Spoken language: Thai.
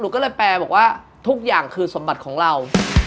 ก็เลยแปลบอกว่าทุกอย่างคือสมบัติของเรา